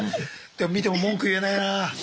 でも見ても文句言えないな。